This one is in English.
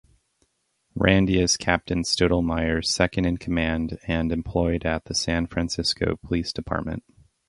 Randy is Captain Stottlemeyer's second-in-command and employed at the San Francisco Police Department.